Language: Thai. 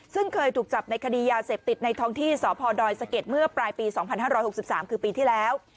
ซึ่งเคยถูกจับในคดียาเสพติดในท้องที่สพดสะเก็ดเมื่อปลายปีสองพันห้าร้อยหกสิบสามคือปีที่แล้ว